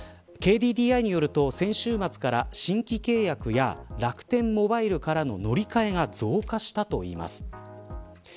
ＫＤＤＩによると、先週末から新規契約や、楽天モバイルからの乗り換えが増加したといいます。